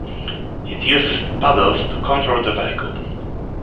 It uses the paddles to control the vehicle.